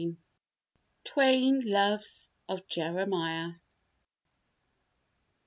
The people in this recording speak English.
] TWAIN LOVES OF JEREMIAH.